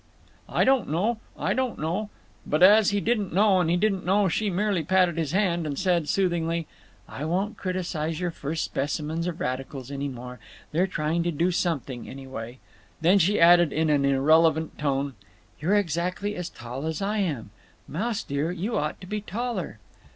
"I don't know—I don't know—" But as he didn't know what he didn't know she merely patted his arm and said, soothingly: "I won't criticize your first specimens of radicals any more. They are trying to do something, anyway." Then she added, in an irrelevant tone, "You're exactly as tall as I am. Mouse dear, you ought to be taller."